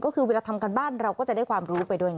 ก็คือเวลาทำการบ้านเราก็จะได้ความรู้ไปด้วยไง